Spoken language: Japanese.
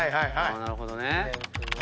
なるほどね。